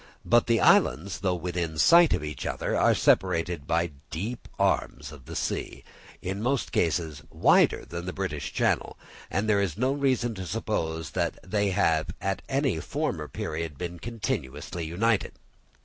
But the islands, though in sight of each other, are separated by deep arms of the sea, in most cases wider than the British Channel, and there is no reason to suppose that they have at any former period been continuously united.